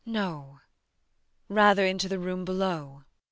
No, rather into the room below.